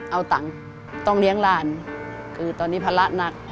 เอาตังค์ต้องเลี้ยงหลานคือตอนนี้ภาระหนัก